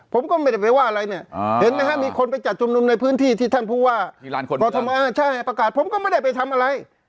ผมก็ไม่ได้ไปว่าอะไรเนี่ยเห็นไหมฮะมีคนไปจัดชุมนุมในพื้นที่ที่ท่านผู้ว่ากรทมใช่ประกาศผมก็ไม่ได้ไปทำอะไร